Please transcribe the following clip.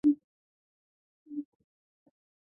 板桥站的铁路车站。